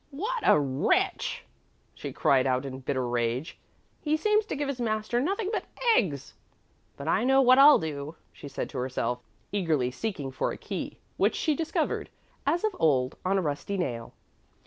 "What a wretch!" she cried out in bitter rage. "He seems to give his master nothing but eggs. But I know what I'll do," she said to herself, eagerly seeking for a key, which she discovered, as of old, on a rusty nail.